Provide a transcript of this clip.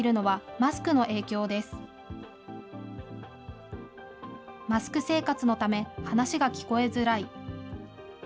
マスク生活のため、話が聞こえづらい。